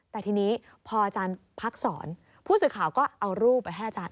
แต่ทีนี้พออาจารย์พักสอนผู้สื่อข่าวก็เอารูปไปให้อาจารย์